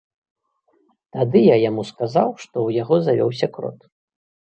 Тады я яму сказаў, што ў яго завёўся крот.